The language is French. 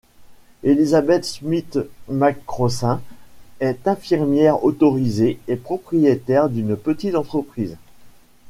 Elizabeth Smith-McCrossin est infirmière autorisée et propriétaire d’une petite entreprise.